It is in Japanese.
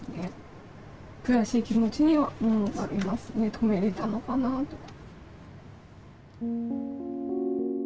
止めれたのかなあとか。